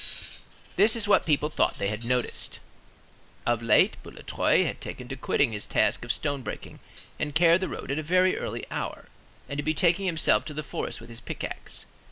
This is what people thought they had noticed:— Of late, Boulatruelle had taken to quitting his task of stone breaking and care of the road at a very early hour, and to betaking himself to the forest with his pickaxe.